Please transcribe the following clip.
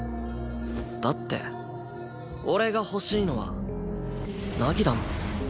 だって俺が欲しいのは凪だもん。